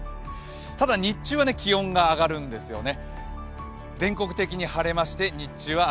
ただ日中は気温が上がるんですよね。